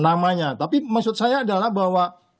namanya tapi maksud saya adalah bahwa